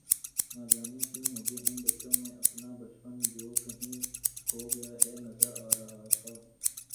نجانے کیوں مجھے ان بچوں میں اپنا بچپن جو کہیں کھو گیا ہے نظر آ رہا تھا